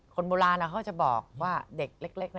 คนโบราณเขาจะบอกว่าเด็กเล็ก